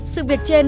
sự việc trên